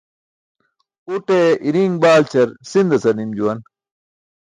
Ute iriin baalćar sinda car nim juwan.